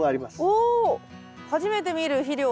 お初めて見る肥料だ。